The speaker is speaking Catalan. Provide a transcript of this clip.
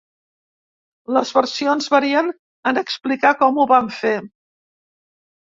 Les versions varien en explicar com ho van fer.